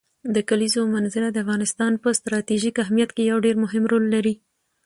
د کلیزو منظره د افغانستان په ستراتیژیک اهمیت کې یو ډېر مهم رول لري.